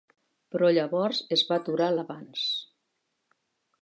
Però llavors es va aturar l'avanç.